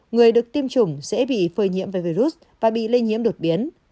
người được tiêm chủng dễ bị phơi nhiễm về virus và bị lây nhiễm đột biến